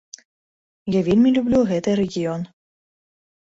Я вельмі люблю гэты рэгіён.